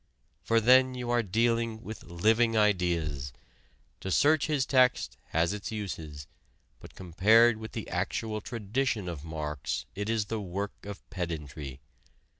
For then you are dealing with living ideas: to search his text has its uses, but compared with the actual tradition of Marx it is the work of pedantry.